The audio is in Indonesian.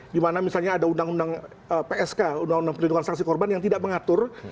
dimana misalnya ada undang undang psk undang undang perlindungan saksi korban yang tidak mengatur